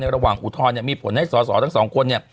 ในระหว่างอุทธรณ์มีผลให้สอสอทั้งสองคน